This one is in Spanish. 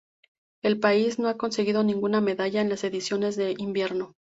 El país no ha conseguido ninguna medalla en las ediciones de invierno.